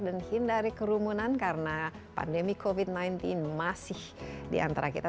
dan hindari kerumunan karena pandemi covid sembilan belas masih di antara kita